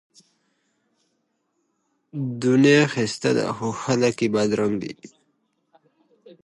ازادي راډیو د ورزش لپاره د خلکو غوښتنې وړاندې کړي.